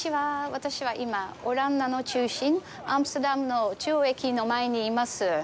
私は今、オランダの中心アムステルダムの中央駅の前にいます。